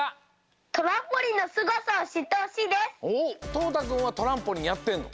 とうたくんはトランポリンやってんの？